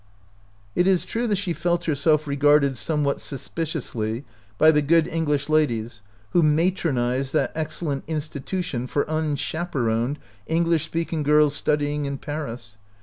It is true that she felt herself regarded somewhat suspiciously by the good English ladies who matronized that excellent " Insti tution for unchaperoned English speaking girls studying in Paris."